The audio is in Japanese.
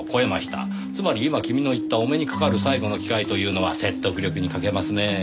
つまり今君の言ったお目にかかる最後の機会というのは説得力に欠けますねぇ。